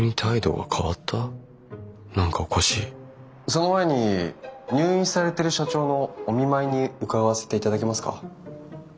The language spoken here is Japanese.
その前に入院されてる社長のお見舞いに伺わせていただけますか？